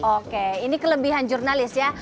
oke ini kelebihan jurnalis ya